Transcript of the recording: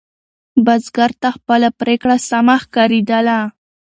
بزګر ته خپله پرېکړه سمه ښکارېدله.